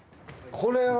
これは。